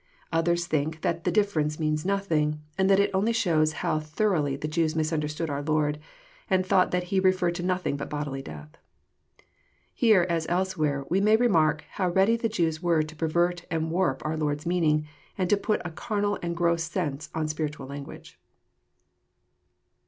Others think that the difference means nothing, and that it only shows how thoroughly the Jews misunderstood our Lord, and thought that He referred to nothing but bodily death. Here, as elsewhere, we may remark how ready the Jews were to pervert and warp our Lord's meaning, and to put a carnal and gross sense on spiritual language.